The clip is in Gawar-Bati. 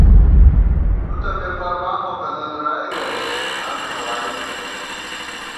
تُو تہ بے پروا مو پېنہ دُرائے گئیس آں بی ہوائی تھنَئیم